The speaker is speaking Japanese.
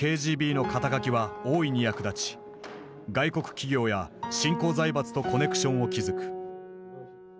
元ＫＧＢの肩書は大いに役立ち外国企業や新興財閥とコネクションを築く。